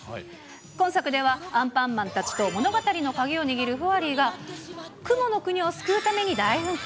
今作では、アンパンマンたちと物語の鍵を握るフワリーが、雲の国を救うために大奮闘。